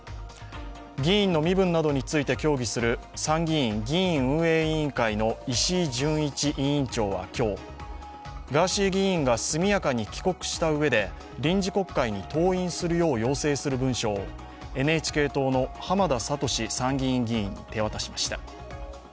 議員の身分などについて協議する参議院・議院運営委員会の石井委員長は今日、ガーシー氏が速やかに帰国し臨時国会に登院するよう要請する文書をＮＨＫ党の浜田聡参議院議員に手渡しました。